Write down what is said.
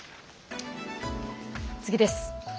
次です。